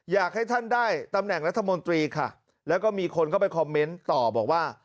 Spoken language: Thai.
อยากให้ท่านได้ตำแหน่งรัฐมนตรีค่ะแล้วก็มีคนเข้าไปคอมเมนต์ต่อบอกว่า